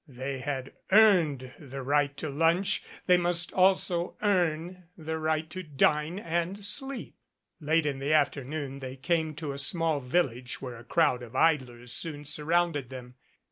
They had earned the right to lunch. They must also earn the right to dine and sleep ! Late in the afternoon they came to a small village where a crowd of idlers soon surrounded them.